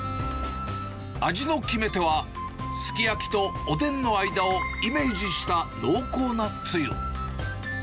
味の決め手は、すき焼きとおでんの間をイメージした濃厚なつゆ。